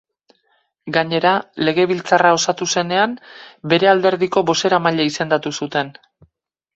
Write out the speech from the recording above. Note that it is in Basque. Gainera, legebiltzarra osatu zenean, bere alderdiko bozeramaile izendatu zuten.